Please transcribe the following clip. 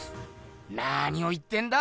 なにを言ってんだ？